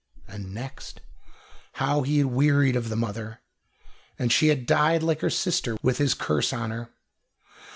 And next, how he had wearied of the mother, and she had died like her sister with his curse on her.